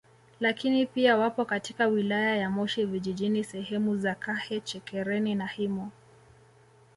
Lakini pia wapo katika wilaya ya Moshi Vijijini sehemu za Kahe Chekereni na Himo